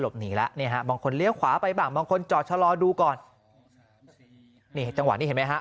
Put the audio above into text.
หนีแล้วนี่ฮะบางคนเลี้ยวขวาไปบ้างบางคนจอดชะลอดูก่อนนี่จังหวะนี้เห็นไหมฮะ